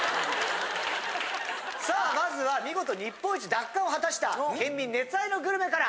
さあまずは見事日本一奪還を果たした県民熱愛のグルメから！